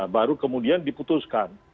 baru kemudian diputuskan